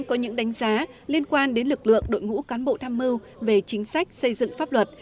có những đánh giá liên quan đến lực lượng đội ngũ cán bộ tham mưu về chính sách xây dựng pháp luật